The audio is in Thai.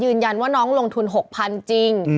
ยืนยันว่าน้องลงทุน๖๐๐๐จริง